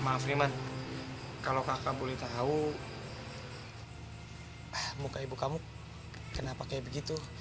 maaf iman kalau kakak boleh tahu muka ibu kamu kenapa seperti itu